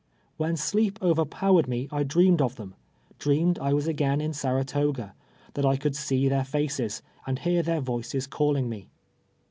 When sleep overpowered me I dreamed of them — dreamed I was again in Saratoga — that I could see their faces, and liear their voices calling me.